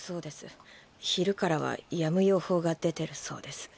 昼からはやむ予報が出てるそうです。